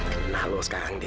kena lo sekarang dil